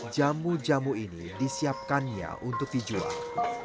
jamu jamu ini disiapkannya untuk dijual